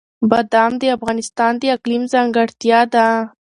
بادام د افغانستان د اقلیم ځانګړتیا ده.